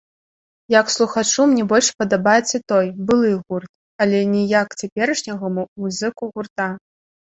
Як слухачу, мне больш падабаецца той, былы гурт, але не як цяперашняму музыку гурта.